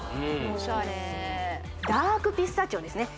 オシャレダークピスタチオですね